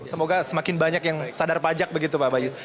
semoga semakin banyak yang sadar pajak begitu pak bayu